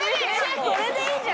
これでいいじゃん。